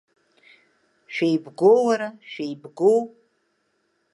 Шәеибгоу, уара, шәеибгоу?